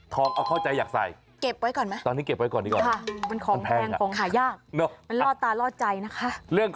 ทองเอาข้อใจอยากใส่ตอนนี้เก็บไว้ก่อนดีกว่ามันแพงขายากมันลอดตาลอดใจนะคะ